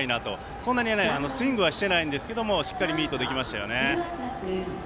そんなにスイングはしていないんですけどミートできましたよね。